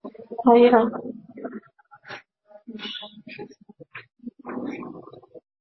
শুধু ঠিকানা দিয়েছে।